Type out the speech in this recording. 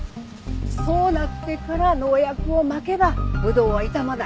そうなってから農薬をまけばぶどうは傷まない。